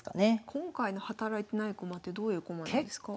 今回の働いてない駒ってどういう駒なんですか？